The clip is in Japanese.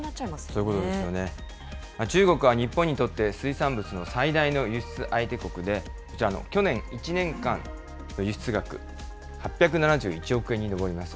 そういうことですね、中国は日本にとって、水産物の最大の輸出相手国で、こちらの去年１年間の輸出額８７１億円に上ります。